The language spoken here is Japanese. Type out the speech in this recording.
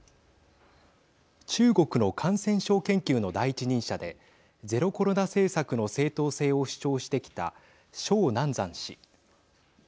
中国の感染症研究の第一人者でゼロコロナ政策の正当性を主張してきた鍾南山氏。